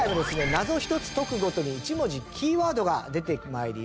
謎を１つ解くごとに１文字キーワードが出て参ります。